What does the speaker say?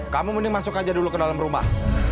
kamu mending masuk aja dulu ke dalam rumah